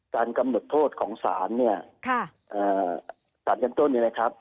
การกำหนดโทษของสารนี้ตัดกันต้นนี่นะครับ